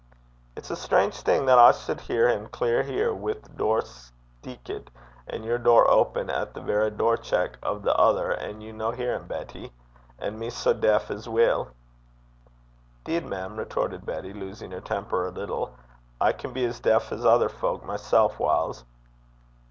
'It's a strange thing that I suld hear him benn here wi' the door steekit, an' your door open at the verra door cheek o' the ither, an' you no hear him, Betty. And me sae deif as weel!' ''Deed, mem,' retorted Betty, losing her temper a little, 'I can be as deif 's ither fowk mysel' whiles.'